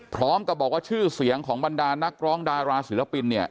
พร้อมกับบอกว่าชื่อเสียงของบรรดานักร้องดาราศิลปินเนี่ย